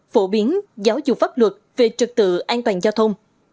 phổ biến giáo dục pháp luật về trực tự an toàn giao thông